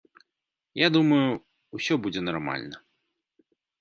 Я думаю, усё будзе нармальна.